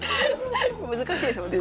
難しいですもんね。